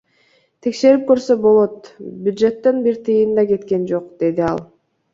Текшерип көрсө болот, бюджеттен бир тыйын да кеткен жок, — деди ал.